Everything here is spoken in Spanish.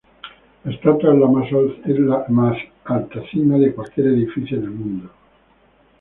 La estatua es la más alta cima de cualquier edificio en el mundo.